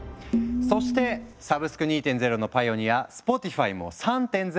そしてサブスク２．０のパイオニアスポティファイも３．０を目指している。